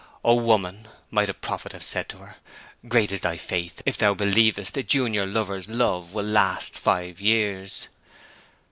'O woman,' might a prophet have said to her, 'great is thy faith if thou believest a junior lover's love will last five years!'